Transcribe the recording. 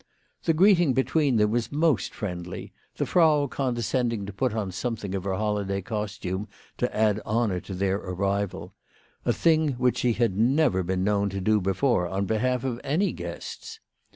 The greeting between them was most friendly, the Frau condescending to put on something of her holiday costume to add honour to their arrival ; a thing which she had never been known to do before on behalf of any guests.